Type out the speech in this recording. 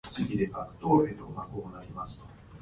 あんぱんまん